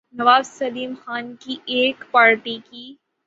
نواب سیلم خان کی ایک پارٹی کی